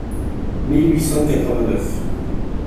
mille huit cent quatre-vingt-neuf.